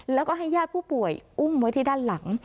แล้วก็ให้ญาติผู้ป่วยอุ้มไว้ที่ด้านหลัง